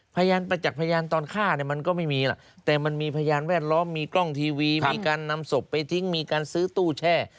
ประจักษ์พยานตอนฆ่าเนี่ยมันก็ไม่มีล่ะแต่มันมีพยานแวดล้อมมีกล้องทีวีมีการนำศพไปทิ้งมีการซื้อตู้แช่